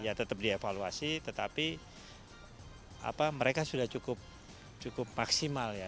ya tetap dievaluasi tetapi mereka sudah cukup maksimal ya